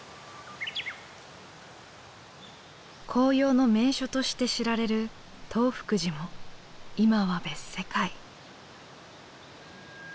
紅葉の名所として知られる東福寺も今は別世界。